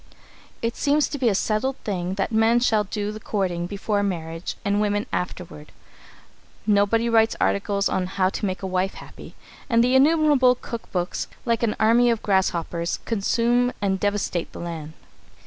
It seems to be a settled thing that men shall do the courting before marriage and women afterward. Nobody writes articles on "How to Make a Wife Happy," and the innumerable cook books, like an army of grasshoppers, consume and devastate the land.